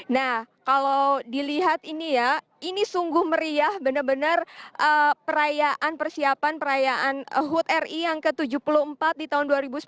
nah kalau dilihat ini ya ini sungguh meriah benar benar perayaan persiapan perayaan hud ri yang ke tujuh puluh empat di tahun dua ribu sembilan belas